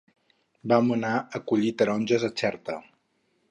Vam anar a collir taronges a Xerta.